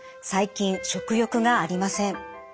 最近食欲がありません。